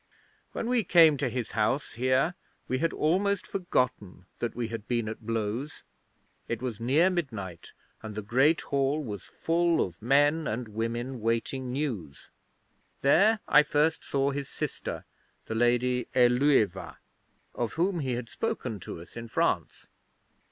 'When we came to his house here we had almost forgotten that we had been at blows. It was near midnight, and the Great Hall was full of men and women waiting news. There I first saw his sister, the Lady Ælueva, of whom he had spoken to us in France.